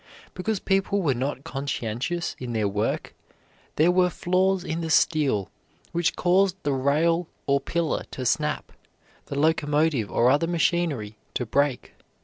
Because people were not conscientious in their work there were flaws in the steel, which caused the rail or pillar to snap, the locomotive or other machinery to break.